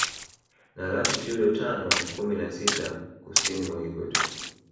Na latitudo tano kumi na sita Kusini mwa Ikweta